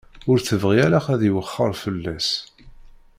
Ur tebɣi ara ad iwexxer fell-as.